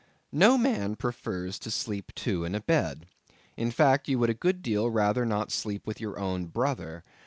No man prefers to sleep two in a bed. In fact, you would a good deal rather not sleep with your own brother.